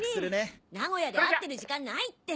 名古屋で会ってる時間ないって。